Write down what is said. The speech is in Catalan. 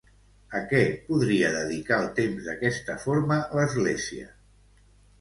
A què podria dedicar el temps d'aquesta forma l'Església?